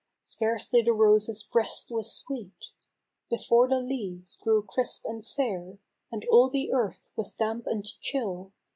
Scarcely the rose's breast was sweet, Before the leaves grew crisp and sere, And all the earth was damp and chill.